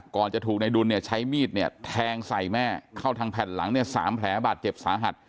ก่อนจะถูกในดุลใช้มีดแทงใส่แม่เข้าทางแผ่นหลัง๓แผลบาดเจ็บสาหัส